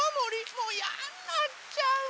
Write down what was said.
もうやんなっちゃうわ。